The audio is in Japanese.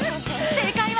正解は。